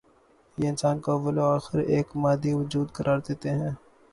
یہ انسان کو اوّ ل و آخر ایک مادی وجود قرار دیتے ہیں۔